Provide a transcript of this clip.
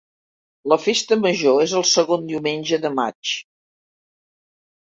La festa major és el segon diumenge de maig.